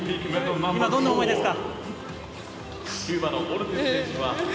今、どんな思いですか？